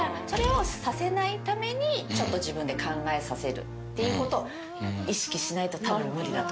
それをさせないために自分で考えさせるってことを意識しないとたぶん無理。